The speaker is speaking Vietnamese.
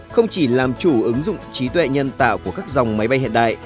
không chỉ làm chủ ứng dụng trí tuệ nhân tạo của các dòng máy bay hiện đại